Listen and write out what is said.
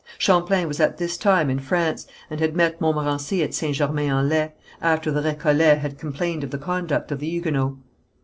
Champlain was at this time in France, and had met Montmorency at St. Germain en Laye, after the Récollets had complained of the conduct of the Huguenots.